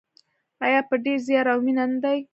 آیا په ډیر زیار او مینه نه دی؟